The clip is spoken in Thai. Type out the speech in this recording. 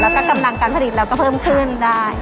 แล้วก็กำลังการผลิตเราก็เพิ่มขึ้นได้